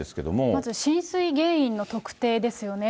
まず浸水原因の特定ですよね。